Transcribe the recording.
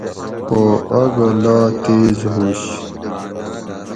خو آگہ لا تیز ہُوش